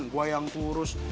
gua yang turus